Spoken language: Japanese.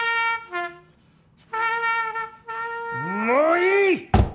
もういい！